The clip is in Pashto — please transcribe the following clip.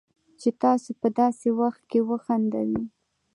چې تاسو په داسې وخت کې وخندوي